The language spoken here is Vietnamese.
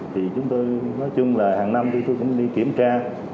thì chúng tôi nói chung là hàng năm thì tôi cũng đi kiểm tra